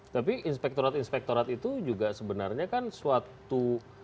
tapi inspektorat inspektorat itu juga sebenarnya kan suatu